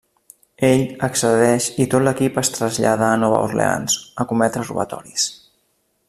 Ell accedeix i tot l'equip es trasllada a Nova Orleans a cometre robatoris.